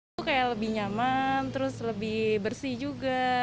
itu kayak lebih nyaman terus lebih bersih juga